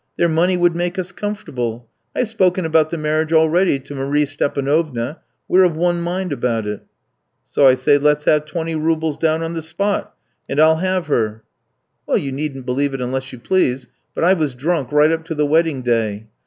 Their money would make us comfortable; I've spoken about the marriage already to Marie Stépanovna, we're of one mind about it.' "So I say, 'Let's have twenty roubles down on the spot, and I'll have her.' "Well, you needn't believe it unless you please, but I was drunk right up to the wedding day.